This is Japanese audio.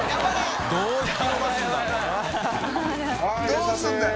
どうするんだよ。